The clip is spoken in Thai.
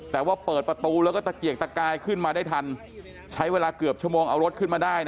แต่ว่าเปิดประตูแล้วก็ตะเกียกตะกายขึ้นมาได้ทันใช้เวลาเกือบชั่วโมงเอารถขึ้นมาได้